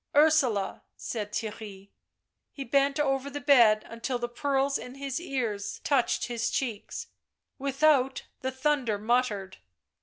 " Ursula," said Theirry ; he bent over the bed until the pearls in his ears touched his cheeks. Without the thunder muttered.